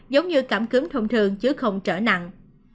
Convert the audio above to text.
giống như cảm cúm thông thường chứ không trở nặng